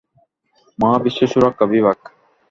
মহাবিশ্ব সুরক্ষা বিভাগ।